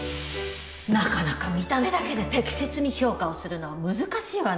なかなか見た目だけで適切に評価をするのは難しいわね。